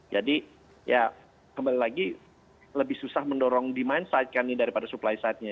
jadi kembali lagi lebih susah mendorong demand side nya daripada supply side nya